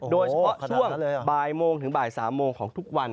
โดยเฉพาะช่วงบ่ายโมงถึงบ่าย๓โมงของทุกวัน